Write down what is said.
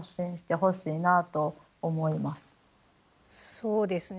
そうですね。